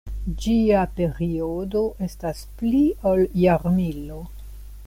Ĝia periodo estas pli ol jarmilo.